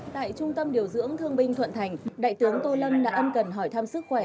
tại trung tâm điều dưỡng thương binh thuận thành đại tướng tô lâm đã ân cần hỏi thăm sức khỏe